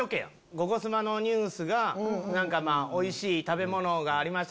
『ゴゴスマ』のニュースがおいしい食べ物がありました。